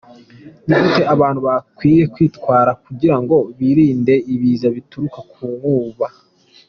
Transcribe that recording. Ni gute abantu bakwiye kwitwara kugirango birinde ibiza bituruka ku nkuba?.